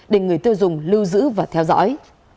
để người tiêu dùng lưu giữ và theo dõi